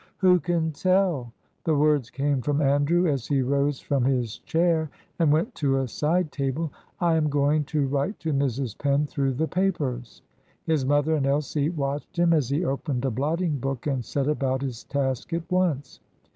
"Who can tell?" The words came from Andrew as he rose from his chair and went to a side table. "I am going to write to Mrs. Penn through the papers." His mother and Elsie watched him as he opened a blotting book and set about his task at once.